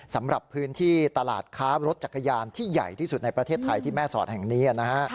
สำหรับพื้นที่ตลาดค้ารถจักรยานที่ใหญ่ที่สุดในประเทศไทยที่แม่สอดแห่งนี้นะฮะ